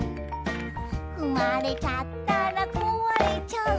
「ふまれちゃったらこわれちゃう」